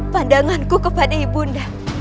pandanganku kepada ibunda